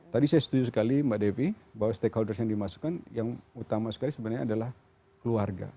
tadi saya setuju sekali mbak devi bahwa stakeholders yang dimasukkan yang utama sekali sebenarnya adalah keluarga